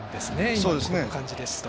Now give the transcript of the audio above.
今、この感じですと。